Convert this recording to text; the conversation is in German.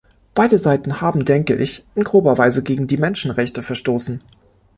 Beide Seiten haben, denke ich, in grober Weise gegen die Menschenrechte verstoßen.